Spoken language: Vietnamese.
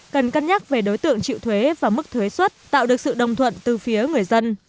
cần cân nhắc về đối tượng chịu thuế và mức thuế xuất tạo được sự đồng thuận từ phía người dân